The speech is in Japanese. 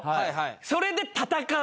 それで戦う。